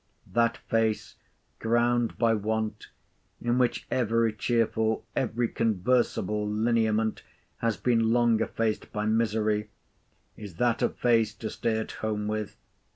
That face, ground by want, in which every cheerful, every conversable lineament has been long effaced by misery,—is that a face to stay at home with?